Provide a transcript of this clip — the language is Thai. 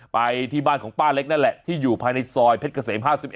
ไปที่บ้านของป้าเล็กนั่นแหละที่อยู่ภายในซอยเพชรเกษม๕๑